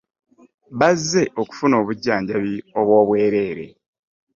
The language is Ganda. Bazze okufuna obujjanjabi obw'obwerere.